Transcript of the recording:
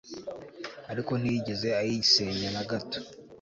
Ariko ntiyigeze ayisenya nagato